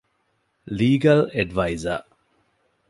ލީގަލް އެޑްވައިޒަރ